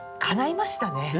かないましたね